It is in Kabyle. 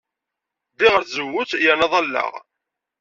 Ddiɣ ɣer tzewwut yernu ḍalleɣ.